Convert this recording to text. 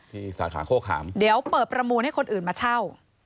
สาขาโฆขามเดี๋ยวเปิดประมูลให้คนอื่นมาเช่า